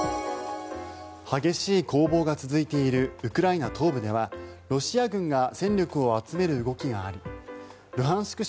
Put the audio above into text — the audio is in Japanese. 激しい攻防が続いているウクライナ東部ではロシア軍が戦力を集める動きがありルハンシク